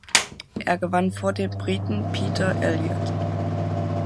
Er gewann vor dem Briten Peter Elliott.